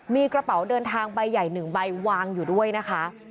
มีกระเป๋าเดินทางใบใหญ่๑ใบวางอยู่ด้วยนะคะ